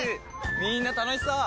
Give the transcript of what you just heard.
みんな楽しそう！